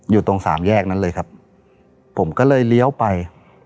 อยู่ตรงสามแยกนั้นเลยครับผมก็เลยเลี้ยวไป